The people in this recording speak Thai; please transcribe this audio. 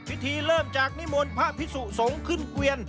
พิธีเริ่มจากนิมวลพระพิสุสงค์ขึ้นเกวียน